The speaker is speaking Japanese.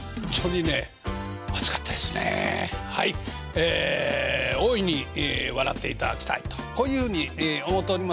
え大いに笑っていただきたいとこういうふうに思うとります。